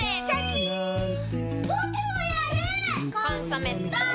「コンソメ」ポン！